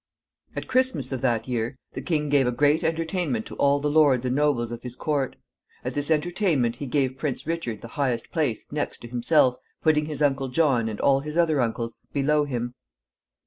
At Christmas of that year the king gave a great entertainment to all the lords and nobles of his court. At this entertainment he gave Prince Richard the highest place, next to himself, putting his uncle John, and all his other uncles, below him.